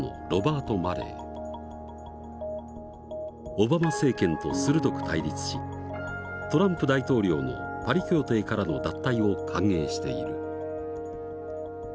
オバマ政権と鋭く対立しトランプ大統領のパリ協定からの脱退を歓迎している。